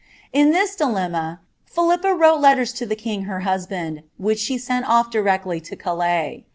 In this dilemma, Philippa wrote letters to the king ler husband, which she sent off directly to Calais.